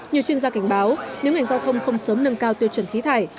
nhiều chuyên gia cảnh báo nếu ngành giao thông không sớm nâng cao tiêu chuẩn khí thải